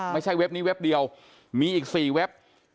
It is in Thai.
เว็บนี้เว็บเดียวมีอีก๔เว็บ